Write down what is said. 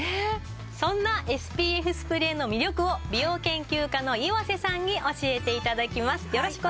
そんなＳＰＦスプレーの魅力を美容研究家の岩瀬さんに教えて頂きます。